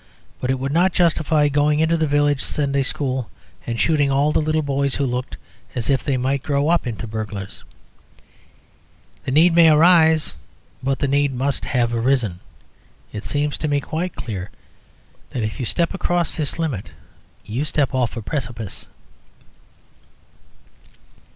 But it would not justify going into the village Sunday school and shooting all the little boys who looked as if they might grow up into burglars. The need may arise; but the need must have arisen. It seems to me quite clear that if you step across this limit you step off a precipice.